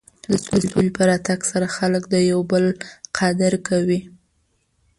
د سولې په راتګ سره خلک د یو بل قدر کوي.